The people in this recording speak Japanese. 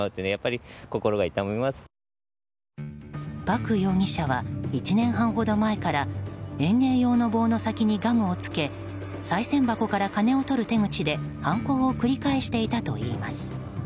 パク容疑者は１年半ほど前から園芸用の棒の先にガムをつけさい銭箱から金をとる手口で犯行を繰り返していたといいます。